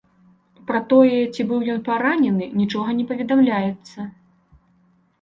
Пра тое, ці быў ён паранены, нічога не паведамляецца.